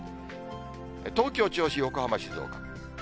東京、銚子、横浜、静岡。